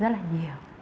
rất là nhiều